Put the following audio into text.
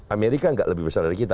amerika nggak lebih besar dari kita